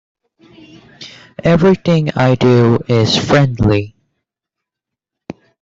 Everything I do is friendly.